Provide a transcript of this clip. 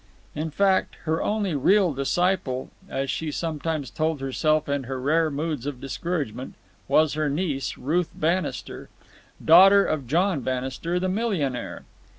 In fact, her only real disciple, as she sometimes told herself in her rare moods of discouragement, was her niece, Ruth Bannister, daughter of John Bannister, the millionaire.